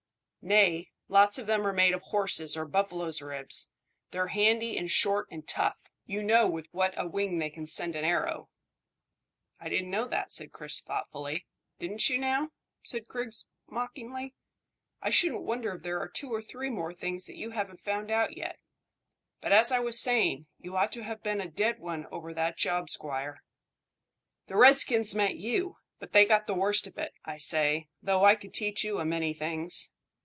"Nay. Lots of them are made of horses' or buffaloes' ribs. They're handy and short and tough. You know with what a whing they can send an arrow." "I didn't know that," said Chris thoughtfully. "Didn't you, now?" said Griggs mockingly. "I shouldn't wonder if there are two or three more things that you haven't found out yet. But, as I was saying, you ought to have been a dead one over that job, squire. The redskins meant you; but they got the worst of it. I say, though, I could teach you a many things."